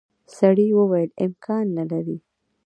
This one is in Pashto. سړي وویل امکان نه لري.